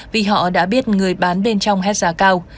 vì họ đã biết người bán bên trong hết giá cao